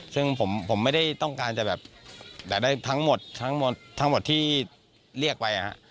ซึ่งผมไม่ได้ต้องการจะแบบแต่ได้ทั้งหมดทั้งหมดที่เรียกไป